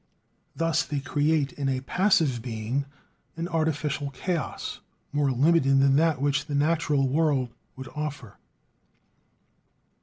Thus they create in a passive being an artificial chaos, more limited than that which the natural world would offer.